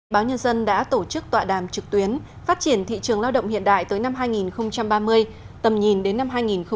báo nhân dân đã tổ chức tọa đàm trực tuyến phát triển thị trường lao động hiện đại tới năm hai nghìn ba mươi tầm nhìn đến năm hai nghìn bốn mươi năm